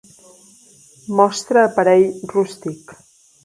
Mostra aparell rústic.